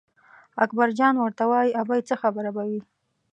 اکبرجان ورته وایي ابۍ څه خبره به وي.